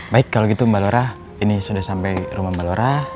baik kalau gitu mbak lora ini sudah sampai rumah mbak lora